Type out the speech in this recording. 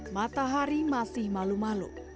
matahari masih malu malu